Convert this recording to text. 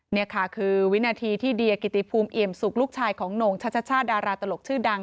นี่ค่ะคือวินาทีที่เดียกิติภูมิเอี่ยมสุกลูกชายของโหน่งชัชชาดาราตลกชื่อดัง